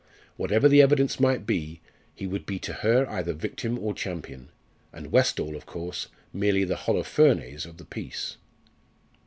Whatever the evidence might be, he would be to her either victim or champion and Westall, of course, merely the Holofernes of the piece.